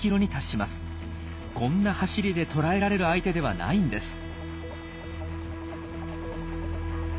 こんな走りで捕らえられる相手ではないんです。